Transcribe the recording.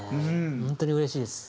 本当にうれしいです。